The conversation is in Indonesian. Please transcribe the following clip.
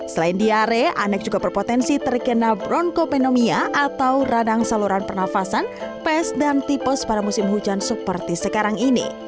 selain diare anek juga berpotensi terkena broncopenomia atau radang saluran pernafasan pes dan tipes pada musim hujan seperti sekarang ini